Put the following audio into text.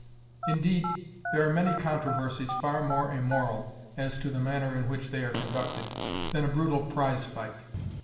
Indeed there are many controversies far more immoral, as to the manner in which they are conducted, than a brutal prize fight.